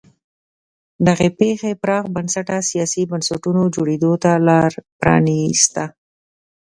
دغې پېښې پراخ بنسټه سیاسي بنسټونو جوړېدو ته لار پرانیسته.